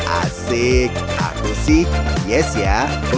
asik aku sih yes ya